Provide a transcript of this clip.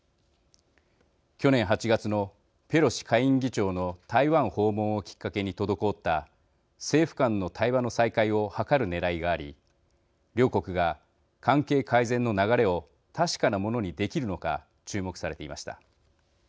去年８月のペロシ下院議長の台湾訪問をきっかけに滞った政府間の対話の再開を図るねらいがあり両国が関係改善の流れを確かなものにできるのか注目されていました。